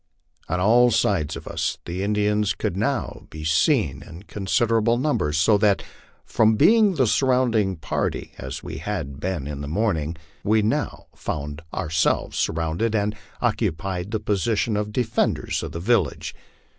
On all sides of us the Indians could now be seen in consider able numbers, so that from being the surrounding party, as we had been in the morning, we now found ourselves surrounded and occupying the position of defenders of the village.